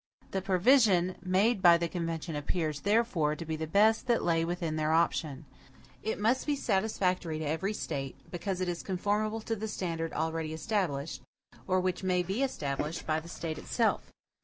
The provision made by the convention appears, therefore, to be the best that lay within their option. It must be satisfactory to every State, because it is conformable to the standard already established, or which may be established, by the State itself.